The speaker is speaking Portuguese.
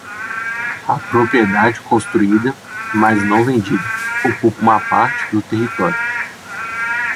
A propriedade construída, mas não vendida, ocupa uma parte do território.